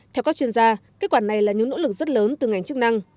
theo các chuyên gia kết quả này là những nỗ lực rất lớn từ ngành chức năng